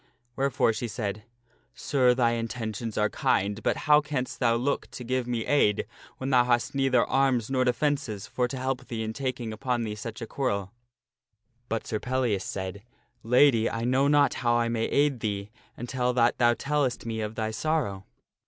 Wherefore she said, " Sir, thy intentions are kind, but how canst thou look to give me aid when thou hast neither arms nor defences for to help thee in tak ing upon thee such a quarrel ?" But Sir Pellias said, " Lady, I know not how I may aid thee until that thou tellest me of thy sorrow.